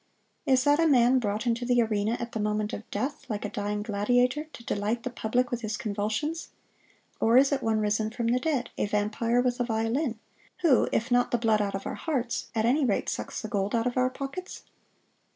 Is that a man brought into the arena at the moment of death, like a dying gladiator, to delight the public with his convulsions? Or is it one risen from the dead, a vampire with a violin, who, if not the blood out of our hearts, at any rate sucks the gold out of our pockets?